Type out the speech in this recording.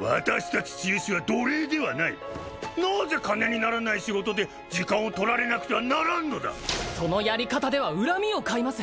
私達治癒士は奴隷ではないなぜ金にならない仕事で時間を取られなくてはならんのだそのやり方では恨みを買います